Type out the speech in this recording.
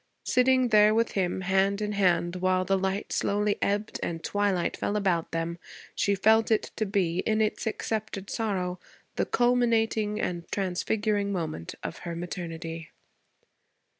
Sitting there with him, hand in hand, while the light slowly ebbed and twilight fell about them, she felt it to be, in its accepted sorrow, the culminating and transfiguring moment of her maternity.